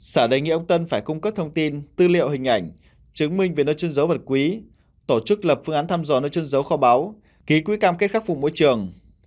sở đề nghị ông tân phải cung cấp thông tin tư liệu hình ảnh chứng minh về nơi chân dấu vật quý tổ chức lập phương án thăm dò nơi chân dấu kho báo ký quỹ cam kết khắc phục môi trường